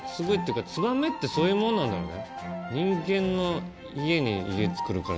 ツバメってそういうもんなんだろうね。